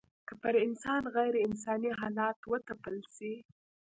که پر انسان غېر انساني حالات وتپل سي